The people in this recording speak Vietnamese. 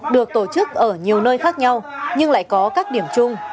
được tổ chức ở nhiều nơi khác nhau nhưng lại có các điểm chung